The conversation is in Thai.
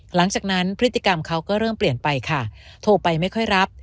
หลังจากนั้นพฤติกรรมเขาก็เริ่มเปลี่ยนไปค่ะโทรไปไม่ค่อยรับ